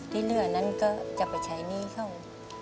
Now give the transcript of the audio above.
ที่เหลือนั้นก็จะไปใช้หนี้เขา